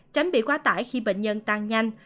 tránh bị quá tải khi bệnh nhân tăng nhanh